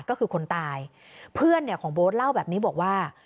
ก็คือคนตายเพื่อนเนี่ยของโบ๊ทเล่าแบบนี้บอกว่า